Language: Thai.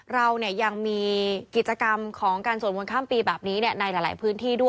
เรายังมีกิจกรรมของการสวดมนต์ข้ามปีแบบนี้ในหลายพื้นที่ด้วย